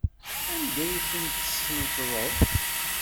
Anda ay ten-tesneṭḍeḍ?